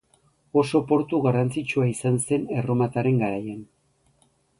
Oso portu garrantzitsua izan zen erromatarren garaian.